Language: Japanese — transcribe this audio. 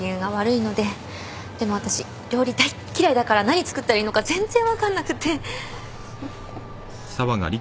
でも私料理大嫌いだから何作ったらいいのか全然分かんなくて。